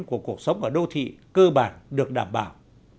của cuộc sống ở đô thị cơ bản được đảm bảo